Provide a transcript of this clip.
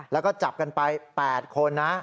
แล้วก็จับกันไป๘คนนะ